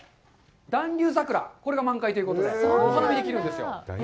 暖流桜、これが満開ということで、お花見ができるんですよ。